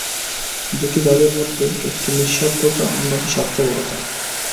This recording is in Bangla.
দুটি ভাবের মধ্যে একটি নিঃস্বার্থতা, অন্যটি স্বার্থপরতা।